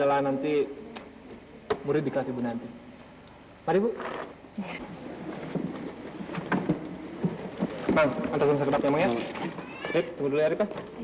wah ibu gembira sekali